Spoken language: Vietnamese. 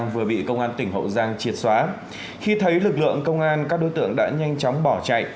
với lực lượng công an các đối tượng đã nhanh chóng bỏ chạy